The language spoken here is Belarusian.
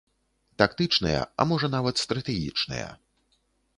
Тактычныя, а можа нават стратэгічныя.